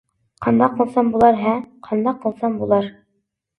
قانداق قىلسام بۇلار ھە؟ قانداق قىلسام بۇلار!